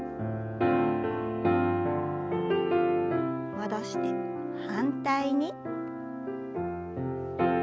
戻して反対に。